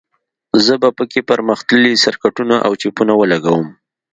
زه به په کې پرمختللي سرکټونه او چپونه ولګوم